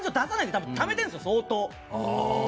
多分、ためているんです相当！